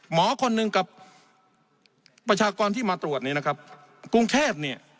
หมอคนหนึ่งกับประชากรที่มาตรวจนี้นะครับกรุงเทพเนี่ย